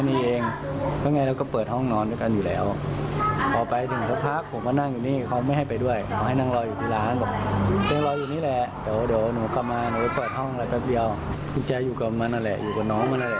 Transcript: ไม่เป็นอันกินสิครับคุณ